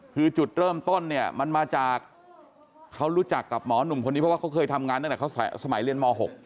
คือจุดเริ่มต้นเนี่ยมันมาจากเขารู้จักกับหมอหนุ่มคนนี้เพราะว่าเขาเคยทำงานตั้งแต่สมัยเรียนม๖